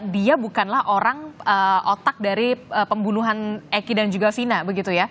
dia bukanlah orang otak dari pembunuhan eki dan juga sina begitu ya